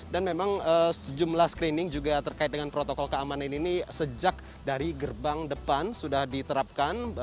dan memang sejumlah screening juga terkait dengan protokol keamanan ini sejak dari gerbang depan sudah diterapkan